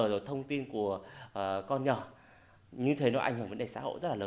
rồi thông tin của con nhỏ như thế nó ảnh hưởng vấn đề xã hội rất là lớn